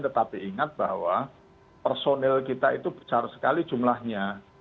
tetapi ingat bahwa personil kita itu besar sekali jumlahnya